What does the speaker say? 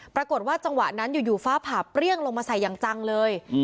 จังหวะนั้นอยู่ฟ้าผ่าเปรี้ยงลงมาใส่อย่างจังเลย